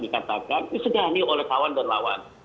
ini sudah dikawal oleh kawan dan lawan